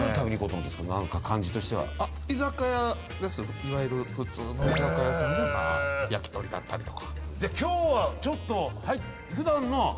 いわゆる普通の居酒屋さんで焼き鳥だったりとか。